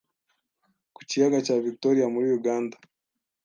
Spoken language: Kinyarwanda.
ku kiyaga cya Victoria muri Uganda